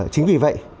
chính vì vậy